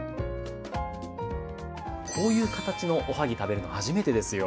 こういう形のおはぎ食べるの初めてですよ。